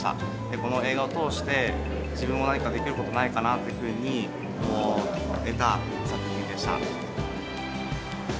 この映画を通して、自分も何かできることないかなっていうふうに思えた作品でした。